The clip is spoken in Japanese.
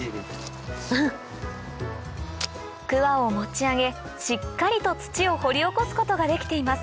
クワを持ち上げしっかりと土を掘り起こすことができています